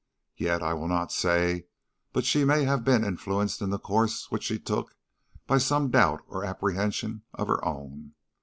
Yet I will not say but she may have been influenced in the course which she took by some doubt or apprehension of her own.